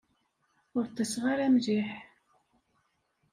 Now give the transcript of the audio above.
Ur ṭṭiseɣ ara mliḥ.